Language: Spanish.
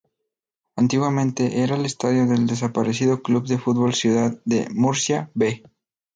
Antiguamente era el estadio del desaparecido Club de Fútbol Ciudad de Murcia "B".